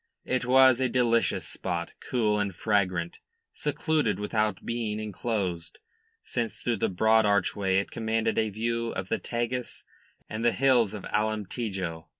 It was a delicious spot, cool and fragrant, secluded without being enclosed, since through the broad archway it commanded a view of the Tagus and the hills of Alemtejo.